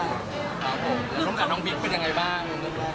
แล้วร่วมกับน้องบิ๊กเป็นยังไงบ้าง